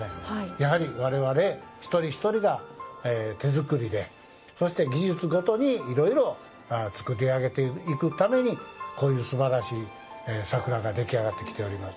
やはり、我々一人一人が手作りで技術ごとに作り上げていくためにこういう、すばらしい桜が出来上がってきております。